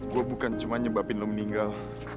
gua bukan cuman nyebabin lo meninggal